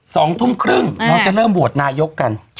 สองทุ่มครึ่งเราจะเริ่มโหวตนายกกัน